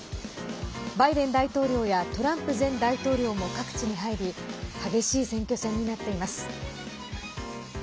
バイデン大統領やトランプ前大統領も各地に入り激しい選挙戦になっています。